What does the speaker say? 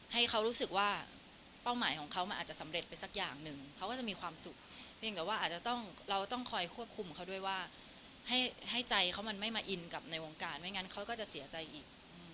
ให้เขารู้สึกว่าเป้าหมายของเขามันอาจจะสำเร็จไปสักอย่างหนึ่งเขาก็จะมีความสุขเพียงแต่ว่าอาจจะต้องเราต้องคอยควบคุมเขาด้วยว่าให้ใจเขามันไม่มาอินกับในวงการไม่งั้นเขาก็จะเสียใจอีก